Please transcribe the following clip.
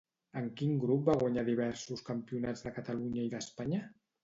En quin grup va guanyar diversos campionats de Catalunya i d'Espanya?